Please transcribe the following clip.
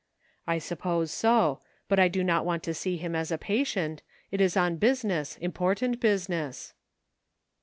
" I suppose so ; but I do not want to see him as a patient ; it is on business, important business."